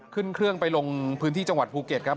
ขึ้นเครื่องไปลงพื้นที่จังหวัดภูเก็ตครับ